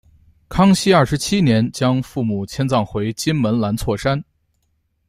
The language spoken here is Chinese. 康熙二十七年将父母迁葬回金门兰厝山。